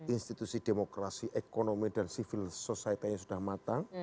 institusi demokrasi ekonomi dan civil society nya sudah matang